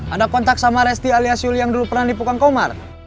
ada kontak sama resti alias yuli yang dulu pernah dipegang komar